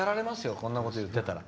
こんなこと言ってたら。